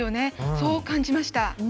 そう感じました。